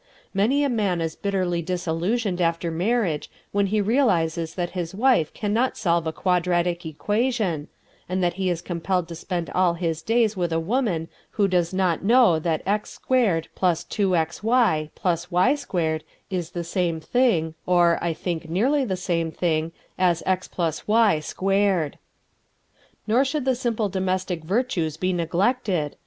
Many a man is bitterly disillusioned after marriage when he realises that his wife cannot solve a quadratic equation, and that he is compelled to spend all his days with a woman who does not know that X squared plus 2XY plus Y squared is the same thing, or, I think nearly the same thing, as X plus Y squared. "Nor should the simple domestic virtues be neglected.